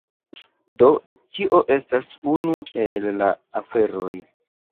Do tio estas unu el la aferoj.